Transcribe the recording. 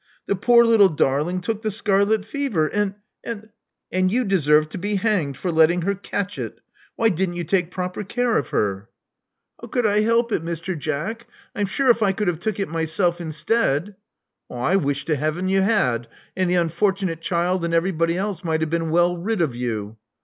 The poor little darling took the scarlet fever; and — and "And you deserve to be hanged for letting her catch it. Why did't you take proper care of her?" Love Among the Artists 87 "How could I help it, Mr. Jack? I'm sure if I could have took it myself instead *' I wish to Heaven you had, and the unfortunate child and everybody else might have been well rid of you.